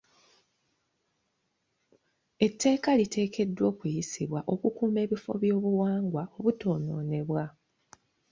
Etteeka liteekeddwa okuyisibwa okukuuma ebifo by'obuwangwa obutoonoonebwa.